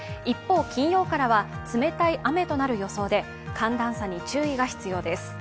一方、金曜からは冷たい雨となる予想で寒暖差に注意が必要です。